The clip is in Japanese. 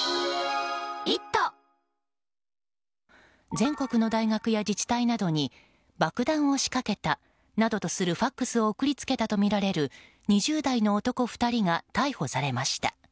全国の大学や自治体などに爆弾を仕掛けたなどとするＦＡＸを送りつけたとみられる２０代の男２人が逮捕されました。